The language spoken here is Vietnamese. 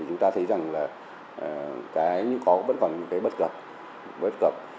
chúng ta thấy rằng những có vẫn còn những bất cập